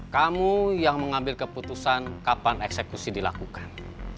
kamu yang mengambil keputusan kapan eksekusi dilakukan